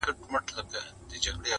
ټول جهان له ما ودان دی نه ورکېږم.!